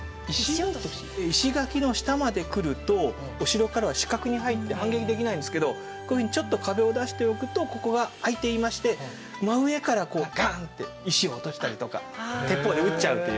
石垣の下まで来るとお城からは死角に入って反撃できないんですけどこういうふうにちょっと壁を出しておくとここが開いていまして真上からこうガンッて石を落としたりとか鉄砲で撃っちゃうっていう。